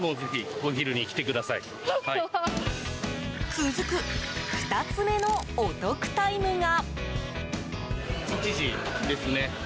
続く２つ目のお得タイムが。